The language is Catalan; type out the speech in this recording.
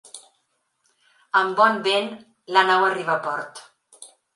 Amb bon vent, la nau arriba a port.